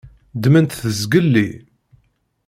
Ddmen-t zgelli.